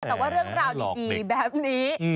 แต่ว่าเรื่องราวดีแบบนี้